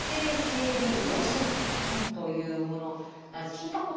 聞いたことは？